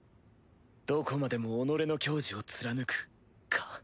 どこまでも己のきょうじを貫くか。